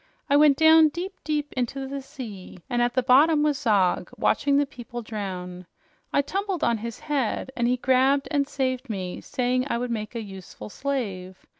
I went down deep, deep into the sea, and at the bottom was Zog, watching the people drown. I tumbled on his head, and he grabbed and saved me, saying I would make a useful slave.